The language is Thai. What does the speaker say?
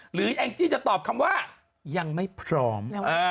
แองจี้จะตอบคำว่ายังไม่พร้อม